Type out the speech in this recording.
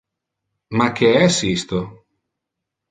Ma que es isto?